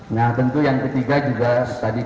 nah tentu yang ketiga juga tadi